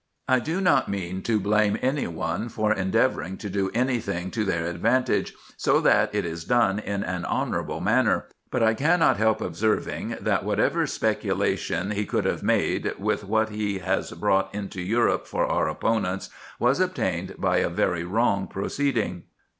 I do not mean to blame any one for endeavouring to do any thing to their advantage, so that it is done in an honourable manner; but I cannot help observing, that whatever speculation he could have made, with what he has brought into Europe for our opponents, was obtained by a very wrong proceeding.